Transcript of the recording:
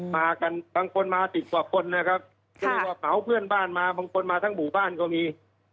มากันบางคนมาสิบกว่าคนนะครับจะเรียกว่าเผาเพื่อนบ้านมาบางคนมาทั้งหมู่บ้านก็มี